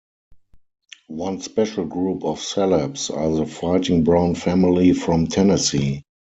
One special group of celebs are the "fighting Brown family from Tennessee".